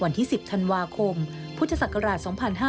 วันที่๑๐ธันวาคมพุทธศักราช๒๕๕๙